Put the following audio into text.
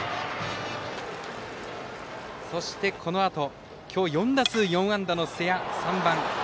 そして、このあと今日４打数４安打の瀬谷３番。